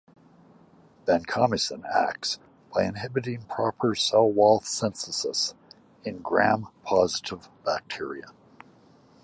Vancomycin acts by inhibiting proper cell wall synthesis in Gram-positive bacteria.